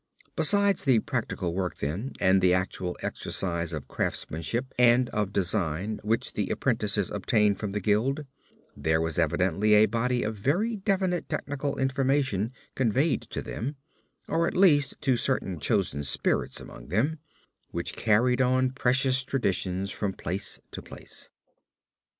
Besides the practical work then, and the actual exercise of craftsmanship and of design which the apprentices obtained from the guild, there was evidently a body of very definite technical information conveyed to them, or at least to certain chosen spirits among them, which carried on precious traditions from place to place.